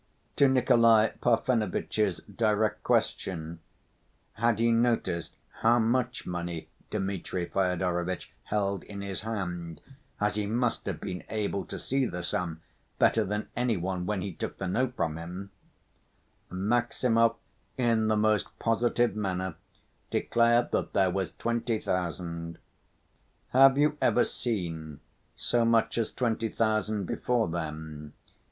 To Nikolay Parfenovitch's direct question, had he noticed how much money Dmitri Fyodorovitch held in his hand, as he must have been able to see the sum better than any one when he took the note from him, Maximov, in the most positive manner, declared that there was twenty thousand. "Have you ever seen so much as twenty thousand before, then?"